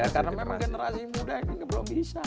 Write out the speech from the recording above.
karena memang generasi muda ini belum bisa